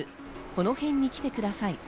この辺に来てください。